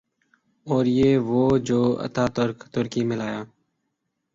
اوریہ وہ جو اتا ترک ترکی میں لایا۔